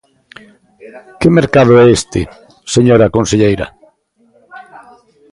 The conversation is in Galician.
¿Que mercado é este, señora conselleira?